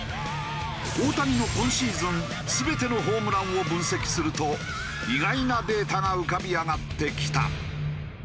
大谷の今シーズン全てのホームランを分析すると意外なデータが浮かび上がってきた。